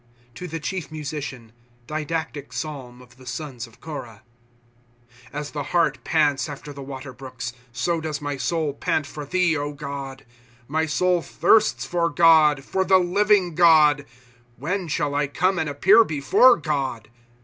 To the Chief Musician, Didactic [Psalm] of tho Sous of Korah, As the hart pants after the water brooks, So does my soul pant for thee, God. ■ My soul thirsts for God, for the living God ; When shall I come, and appear before God